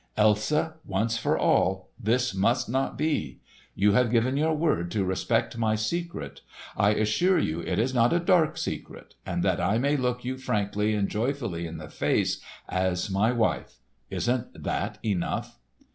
"Elsa, once for all, this must not be! You have given your word to respect my secret. I assure you it is not a dark secret, and that I may look you frankly and joyfully in the face, as my wife. Isn't that enough?"